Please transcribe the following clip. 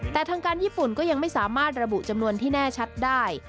แต่ทางการญี่ปุ่นก็ยังไม่สามารถระบุจำนวนที่แน่ชัดได้